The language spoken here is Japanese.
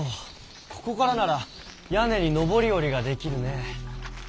ここからなら屋根に上り下りができるね。